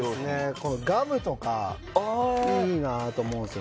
このガムとかいいなあと思うんすよ